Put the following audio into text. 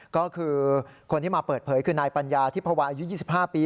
ก็คือคนที่มาเปิดเผยคือนายปัญญาทิพวาอายุ๒๕ปี